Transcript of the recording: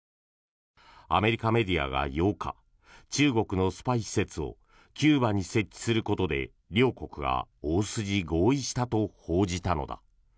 アメリカメディアが８日中国のスパイ施設をキューバに設置することで両国が大筋合意したと報じたのだ。